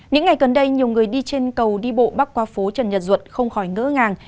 những ngày gần đây nhiều người đi trên cầu đi bộ bắc qua phố trần nhật duật không khỏi ngỡ ngàng